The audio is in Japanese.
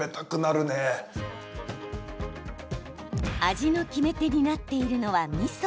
味の決め手になっているのはみそ。